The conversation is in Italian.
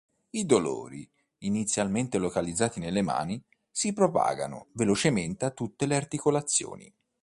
I dolori, inizialmente localizzati nelle mani, si propagano velocemente a tutte le articolazioni.